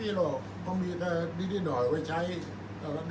อันไหนที่มันไม่จริงแล้วอาจารย์อยากพูด